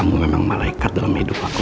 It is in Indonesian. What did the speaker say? aku memang malaikat dalam hidup aku